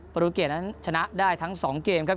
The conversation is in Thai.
ปฎเกรดนั้นชนะได้ทั้ง๒เกมครับ